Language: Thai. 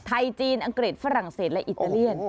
จีนอังกฤษฝรั่งเศสและอิตาเลียน